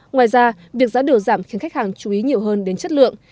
ngoài ra việc giá điều giảm khiến khách hàng chú ý nhiều hơn đến chất lượng